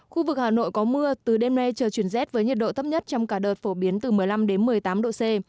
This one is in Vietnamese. khu vực hà nội có mưa từ đêm nay trời chuyển rét với nhiệt độ thấp nhất trong cả đợt phổ biến từ một mươi năm đến một mươi tám độ c